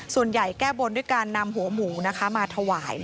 ส่วนใหญ่แก้บนด้วยการนำหัวหมูมาถวาย